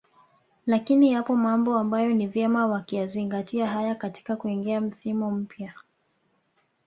lakini yapo mambo ambayo ni vyema wakayazingatia haya katika kuingia msimu mpya